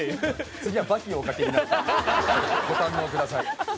次は「バキ」をおかけになってご堪能下さい。